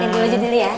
ganti baju dulu ya